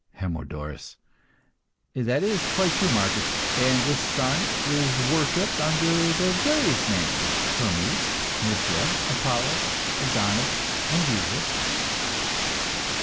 HERMODORUS. That is quite true, Marcus; and this Son is worshipped under the various names of Hermes, Mithra, Adonis, Apollo, and Jesus.